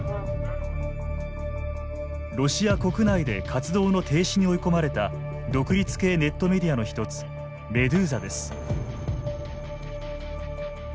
ロシア国内で活動の停止に追い込まれた独立系ネットメディアの１つ「メドゥーザ」です。